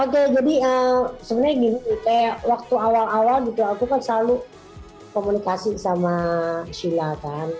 oke jadi sebenarnya gini kayak waktu awal awal gitu aku kan selalu komunikasi sama shila kan